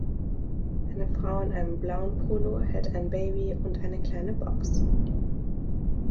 Eine Frau in einem blauen Polo hält ein Baby und eine kleine Box.